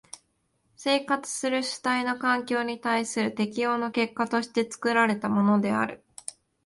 生活する主体の環境に対する適応の結果として作られたものである。